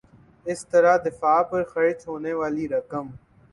اس طرح دفاع پر خرچ ہونے والی رقم